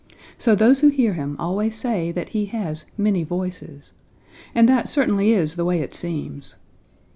So those who hear him always say that he has many voices, and that certainly is the way it seems.